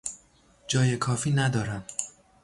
جای کافی ندارم.